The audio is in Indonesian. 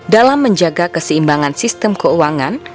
dalam menjaga keseimbangan sistem keuangan